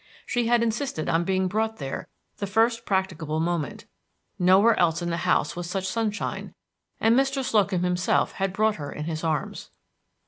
She had insisted on being brought there the first practicable moment; nowhere else in the house was such sunshine, and Mr. Slocum himself had brought her in his arms.